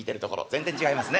全然違いますね。